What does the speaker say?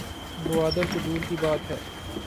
گوادر تو دور کی بات ہے